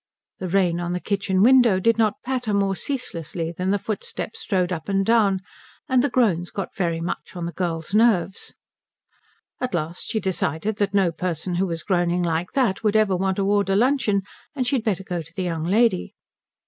The rain on the kitchen window did not patter more ceaselessly than the footsteps strode up and down, and the groans got very much on to the girl's nerves. At last she decided that no person who was groaning like that would ever want to order luncheon, and she had better go to the young lady.